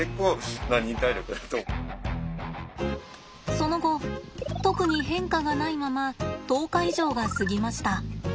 その後特に変化がないまま１０日以上が過ぎました。